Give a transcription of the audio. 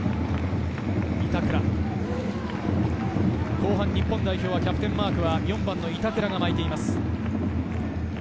後半、日本代表キャプテンマークは４番・板倉が巻いています。